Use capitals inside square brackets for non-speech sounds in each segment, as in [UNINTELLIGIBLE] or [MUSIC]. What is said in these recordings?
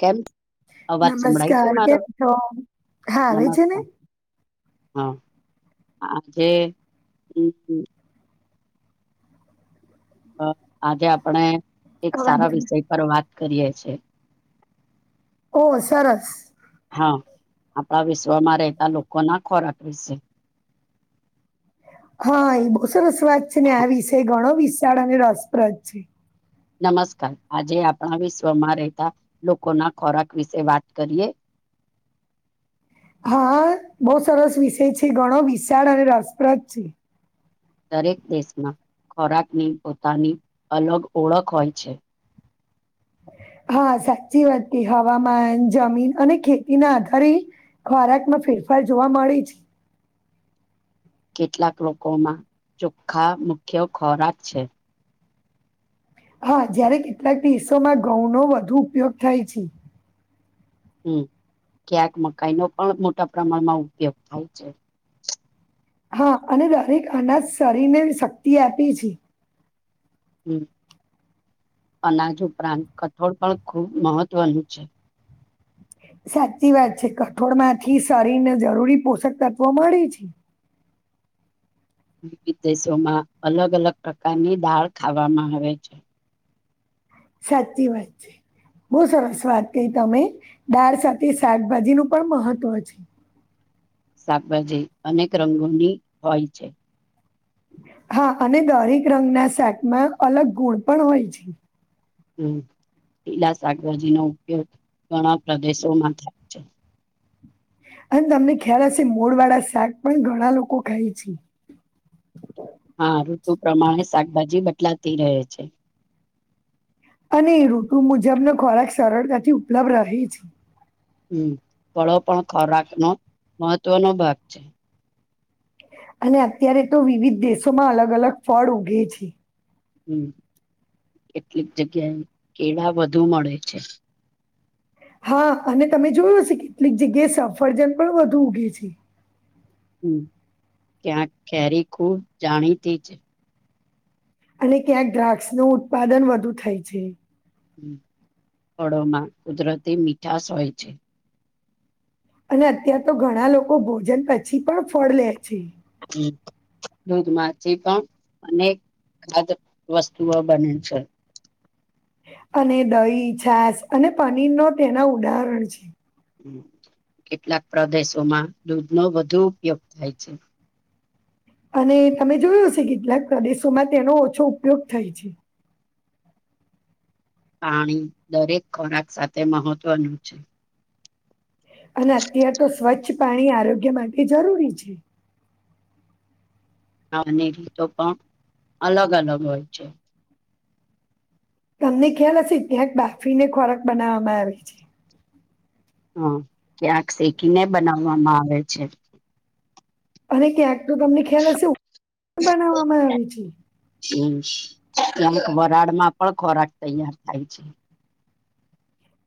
કેમ અવાજ સંભળાય છે નમસ્કાર મારો? કેમ છો? હા આવે છે ને નમસ્કાર. હા, જે આજે આપણે એક અવાજ સારા આવે વિષય પર વાત કરીએે છે. ઓ સરસ. હા, આપણા વિશ્વમાં રહેતા લોકો ના ખોરાક વિશે. હા એ બહુ સરસ વાત છે ને આ વિષ ઘણો વિશાળ અને રસપ્રદ છે. નમસ્કાર. આજે આપણા વિશ્વમાં રહેતા લોકો ના ખોરાક વિશે વાત કરીએ. [INAUDIBLE] હા બહું સરસ વિષય છે. ઘણો વિશાળ અને રસપ્રદ છે. દરેક દેશમાં ખોરાકની પોતાની અલગ ઓળખ હોય છે. [INAUDIBLE] હા સાચી વાત કે હવામાન, જમીન અને ખેતી ના આધારે ખોરાક માં ફેર ફાર જોવા મળે છે. કેટલાક લોકોમાં ચોખ્ખા મુખ્ય ખોરાક છે. હા, જયારે કેટલાક દેશો માં ઘઉંનો વધુ ઉપયોગ થાય છે. હમ્મ. ક્યાંક મકાઈનો પણ મોટા પ્રમાણમાં ઉપયોગ થાય છે. હા, અને દરેક અનાજ શરીરને શક્તિ આપે છે. હમ્મ. અનાજ ઉપરાંત કઠોળ પણ ખૂબ મહત્વનું છે. સાચી વાત છે. કઠોળમાંથી શરીર ને જરૂરી પોષક તત્વો મળે છે. વિવિધ દેશોમાં અલગ-અલગ પ્રકારની દાળ ખાવામાં આવે છે. સાચી વાત છે. બહું સરસ વાત કહી તમે. દાળ સાથે શાકભાજી નું પણ મહત્વ છે. શાકભાજી અનેક રંગોની હોય છે. હા અને દરેક રંગના સેટમાં અલગ ગુણ પણ હોય છે. હમ્મ, લીલા શાકભાજી નો ઉપયોગ ઘણા પ્રદેશોમાં થાય છે. અને તમને ખ્યાલ હશે મોડ વાળા શાક પણ ઘણા લોકો ખાય છે. [INAUDIBLE] હા ઋતુ પ્રમાણે શાકભાજી બદલાતી રહે છે. અને ઋતુ મુજબ નો ખોરાક સરળતાથી ઉપલબ્ધ રહે છે. હમ્મ, ફળો પણ ખોરાકનો મહત્વનો ભાગ છે. અને અત્યારે તો વિવિધ દેશોમાં અલગ-અલગ ફળ ઉગે છે. હમ્મ, કેટલીક જગ્યાએ કેળા વધુ મળે છે. હા, અને તમે જોયું હશે કેટલીક જગ્યાએ સફરજન પણ વધુ ઉગે છે. હમ્મ. ક્યાંક કેરી ખૂબ જાણીતી છે. અને ક્યાંક દ્રાક્ષ નું ઉત્પાદન વધુ થાય છે. ફળોમાં કુદરતી મીઠાશ હોય છે. અને અત્યાર તો ઘણા લોકો ભોજન પછી પણ ફળ લે છે. હમ્મ. દૂધમાંથી પણ અનેક ખાદ્ય વસ્તુઓ બને છે. અને દહીં, છાસ અને પનીરનો તેના ઉદાહરણ છે. કેટલાક પ્રદેશોમાં દૂધનો વધુ ઉપયોગ થાય છે. અને તમે જોયું હશે કેટલાક પ્રદેશોમાં તેનો ઓછો ઉપયોગ થાય છે. પાણી દરેક ખોરાક સાથે મહત્વનું છે. અને અત્યાર તો સ્વચ્છ પાણી આરોગ્ય માટે જરૂરી છે. [UNINTELLIGIBLE] રીતો પણ અલગ-અલગ હોય છે. તમને ખ્યાલ હશે ક્યાંક બાફીને ખોરાક બનાવવામાં આવે છે. હા, ક્યાંક શેકીને બનાવવામાં આવે છે. અને ક્યાંક તો તમને ખ્યાલ હશે બનાવવામાં આવે છે. હમ્મ. ક્યાંક વરાળમાં પણ ખોરાક તૈયાર થાય છે.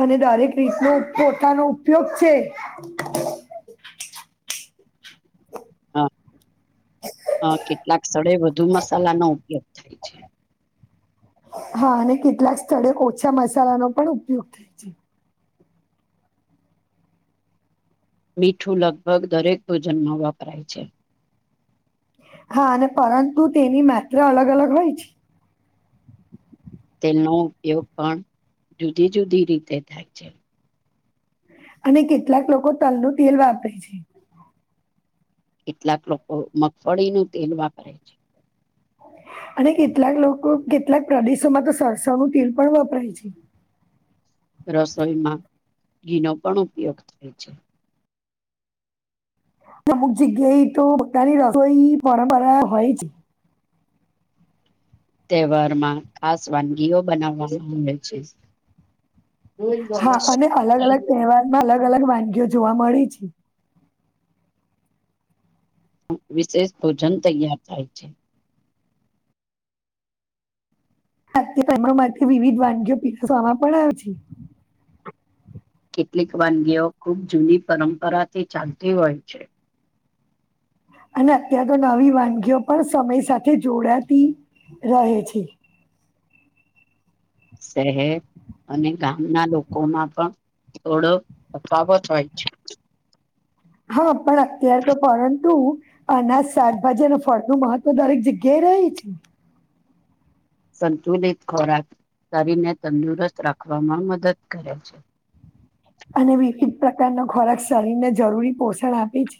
અને દરેક રીતનો પોતાનો ઉપયોગ છે. હા, હા, કેટલાક સ્થળે વધુ મસાલા નો ઉપયોગ થાય છે. હા, અને કેટલાક સ્થળે ઓછા મસાલાનો પણ ઉપયોગ થાય છે. મીઠું લગભગ દરેક ભોજનમાં વપરાય છે. હા, અને પરંતુ તેની માત્રા અલગ-અલગ હોય છે. તેનો ઉપયોગ પણ જુદી-જુદી રીતે થાય છે. અને કેટલાક લોકો તલનું તેલ વાપરે છે. કેટલાક લોકો મગફળીનું તેલ વાપરે છે. હ. અને કેટલાક લોકો કેટલાક પ્રદેશોમાં તો સરસવનું તેલ પણ વપરાય છે. રસોઈમાં ઘીનો પણ ઉપયોગ થાય છે. અમુક જગ્યાએ ઈતો પોતાના રસોઈની પરંપરા હોય તહેવારમાં ખાસ વાનગીઓ બનાવવામાં આવે છે. હા, અને અલગ-અલગ તહેવારમાં અલગ-અલગ વાનગીઓ જોવા મળી છે. વિશેષ ભોજન તૈયાર થાય છે. [UNINTELLIGIBLE] માટે વિવિધ વાનગીઓ પીરસવામાં પણ આવે છે. કેટલીક વાનગીઓ ખૂબ જૂની પરંપરાથી ચાલતી હોય છે. અને અત્યાર તો નવી વાનગીઓ પણ સમય સાથે જોડાતી રહે છે. સેહે અને ગામના લોકોમાં પણ થોડો તફાવત હોય છે. હા, પણ અત્યારે તો પરંતુ અનાજ, શાકભાજી અને ફળનું મહત્વ દરેક જગ્યાએ રહે છે. સંતુલિત ખોરાક શરીરને તંદુરસ્ત રાખવામાં મદદ કરે છે. અને વિવિધ પ્રકારનો ખોરાક શરીરને જરૂરી પોષણ આપે છે.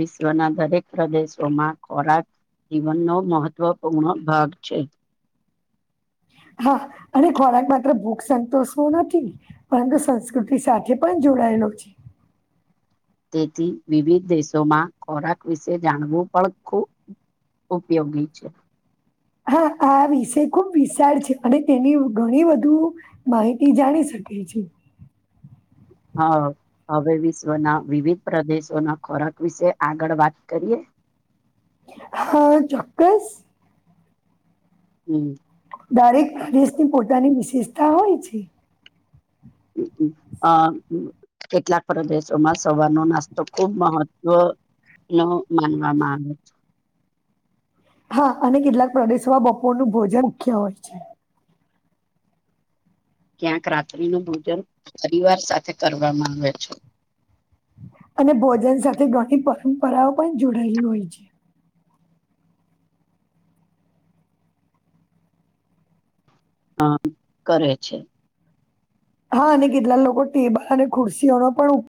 વિશ્વના દરેક પ્રદેશોમાં ખોરાક જીવનનો મહત્વપૂર્ણ ભાગ છે. [UNINTELLIGIBLE] હા, અને ખોરાક માત્ર ભૂખ સંતોષવો નથી પરંતુ સંસ્કૃતિ સાથે પણ જો ડાઈલો છે. તેથી વિવિધ દેશોમાં ખોરાક વિશે જાણવું પણ ખૂબ ઉપયોગી છે. હા, આ વિષય ખૂબ વિશાળ છે અને તેની ઘણી વધુ માહિતી જાણી શકી એ છે. હા, હવે વિશ્વના વિવિધ પ્રદેશોના ખોરાક વિશે આગળ વાત કરીએ. હા, ચોક્કસ. હમ દરેક દેશની પોતાની વિશેષતા હોય છે. હા. કેટલાક પ્રદેશોમાં સવારનો નાસ્તો ખૂબ મહત્વ નો માનવામાં આવે છે. હા અને કેટલાક પ્રદેશોમાં બપોરનું ભોજન મુખ્ય હોય છે. ક્યાંક રાત્રિનું ભોજન પરિવાર સાથે કરવામાં આવે છે. અને ભોજન સાથે ઘણી પરંપરાઓ પણ જોડાયેલી હોય છે. હમ્મ કરે છે. હા અને કેટલા લોકો ટેબલ અને ખુરશીઓનો પણ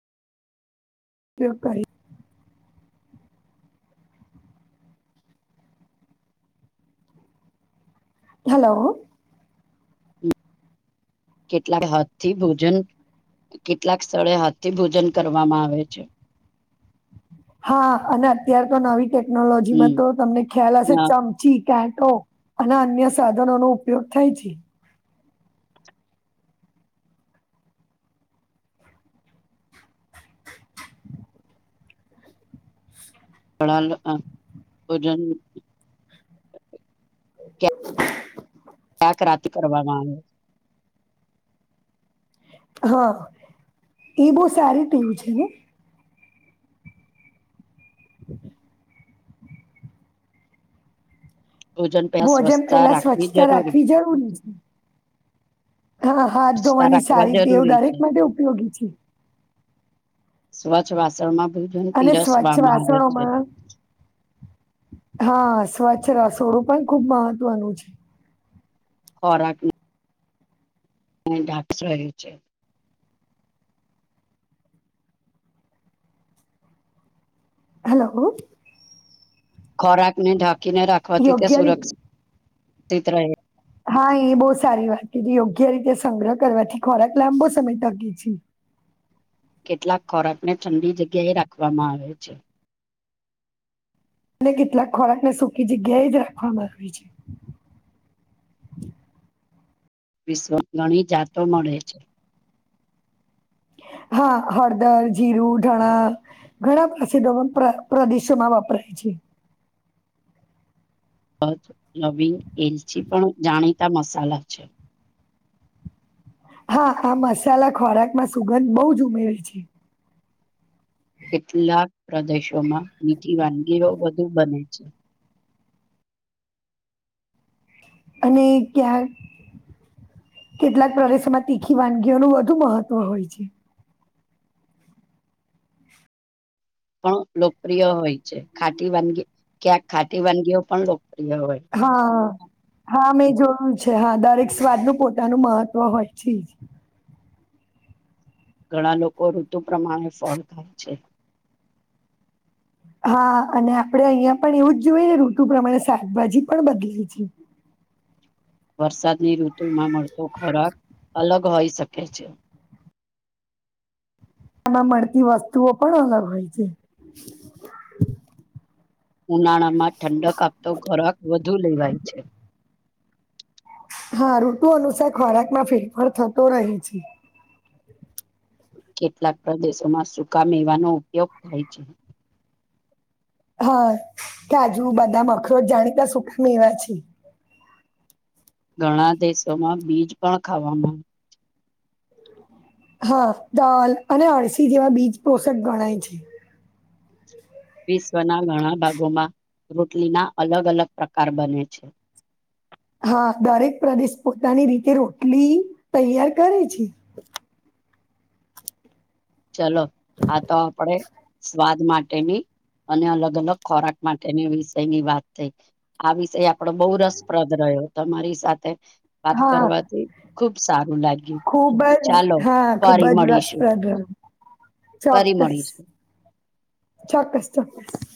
ઉપયોગ કરે હેલો. કેટલાય હાથથી ભોજન કેટલાક સ્થળે હાથથી ભોજન કરવામાં આવે છે. હા અને અત્યાર તો નવી ટેકનોલોજીમાં હમ તો તમને ખ્યાલ હશે ચમચી કાટો અને અન્ય સાધનોનો ઉપયોગ થાય છે. પણ અ ભોજન ક્યાક રાતે કરવામાં આવે. હા એ બહુ સારી ટુલ છે ને? [INAUDIBLE] ભોજન પેલા ભોજન સ્વચ્છતા પેલા રાખવી સ્વચ્છતા જરૂરી રાખવી જરૂરી છે. હા હાથ સ્વચ્છતા ધોવાની રાખવા સારી ટેવ જરૂરી દરેક છે માટે ઉપયોગી છે. સ્વચ્છ વાસણ માં અને સ્વચ્છ વાસણોમાં હા સ્વચ્છ રસોડું પણ ખુબ મહત્વનું છે. ખોરાકી ને ડાકસએ છે હલોઓ ખોરાક ને ઢાંકીને રાખવાથી તેયા યોગ્ય રીતે સુરક્ષિ તિત રહે હા એ બહુ સારી વાત કીધી, યોગ્ય રીતે સંગ્રહ કરવાથી ખોરાક લાંબો સમય તકે છે. [INAUDIBLE] કેટલાક ખોરાકને ઠંડી જગ્યા એ રાખવામાં આવે છે. અને કેટલાક ખોરાકને સુખી જગ્યાએ જ રાખવામાં આવી છે. [INAUDIBLE] વિશ્વ ઘણી જાતો મળે છે. હા હળદર, જીરું, ધાણા ઘણા પ્રસિદો પ્ર પ્રદેશોમાં વપરાય છે. તજ, લવિંગ, એલચી પણ જાણીતા મસાલા છે. હા આ મસાલા ખોરાક માં સુગંધ બહુજ ઉમેરે છે. કેટલાક પ્રદેશોમાં નીતિ વાનગીઓ વધુ બને છે. અને ક્યાંક કેટલાક પ્રદેશોમાં તીખી વાનગીઓનું વધુ મહત્વ હોય છે. પણ લોકપ્રિય હોય છે, ખાટી વાનગી ક્યાંક ખાટી વાનગીઓ પણ લોક હા હા મેં જોયું છે, હા દરેક સ્વાદનું પોતાનું મહત્વ હોય છેજ ઘણા લોકો ઋતુ પ્રમાણે ફળ ખાય છે. હા અને આપણે અહિયાં પણ એવુંજ જોયએને ઋતુ પ્રમાણે શાકભાજી પણ બદલાય છે. વરસાદની ઋતુમાં મળતો ખોરાક અલગ હોઈ શકે છે. આમા મળતી વસ્તુઓ પણ અલગ હોય છે. ઉનાળામાં ઠંડક આપતો ખોરાક વધુ લેવાય છે. હા ઋતુ અનુસાર ખોરાકમાં ફેરફાર થતો રહે છે. કેટલાક પ્રદેશોમાં સૂકા મેવાનો ઉપયોગ થાય છે. હા કાજુ, બદામ, અખરોટ જાણીતા સુખા મેવા છે. ઘણા દેશોમાં બીજ પણ ખાવામાં [UNINTELLIGIBLE] હા દાલ અને અળસી જેવા બીજ પોષક ગણાય છે. વિશ્વના ઘણા ભાગોમાં રોટલીના અલગ અલગ પ્રકાર બને છે. હા દરેક પ્રદેશ પોતાની રીતે રોટલી તૈયાર કરે છે. ચલો આ તો આપડે સ્વાદ માટેની અને અલગ અલગ ખોરાક માટેની વિષયની વાત થઈ, આ વિષય આપડો બહુ રસપ્રદ રહ્ય હ્યો તમારી સાથે વાત હા કરવાથી ખુબ સારું લાગ્યું, ખુબ જ ચાલો હા ખુબ ફરી જ મળીશું. રસપ્રદ રહ્યું. ફરી ચોક્કસ, મળીશું ચોક્કસ ચોક્કસ.